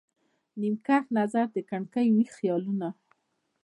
نیم کښ نظر د کړکۍ، ویښ خیالونه